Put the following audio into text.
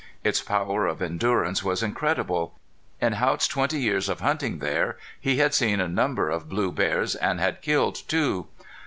Its power of endurance was incredible. In Haught's twenty years of hunting there he had seen a number of blue bears and had killed two.